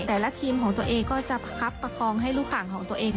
แต่ละทีมของตัวเองก็จะคับประคองให้ลูกขังของตัวเอง